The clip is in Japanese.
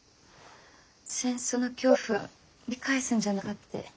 戦争の恐怖がぶり返すんじゃないかって。